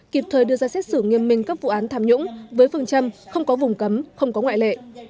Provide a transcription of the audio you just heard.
kịp thời đưa ra xét xử nghiêm minh các vụ án tham nhũng với phương châm không có vùng cấm không có ngoại lệ